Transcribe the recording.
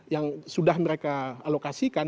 yang sudah mereka alokasikan